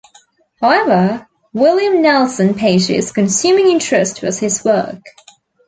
However, William Nelson Page's consuming interest was his work.